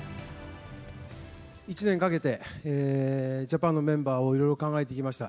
１年かけて、ジャパンのメンバーをいろいろ考えてきました。